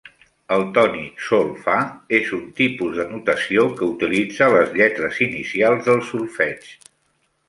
El tònic sol-fa és un tipus de notació que utilitza les lletres inicials del solfeig.